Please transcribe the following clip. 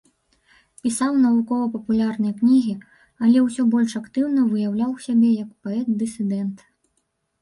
Пісаў навукова-папулярныя кнігі, але ўсё больш актыўна выяўляў сябе як паэт-дысідэнт.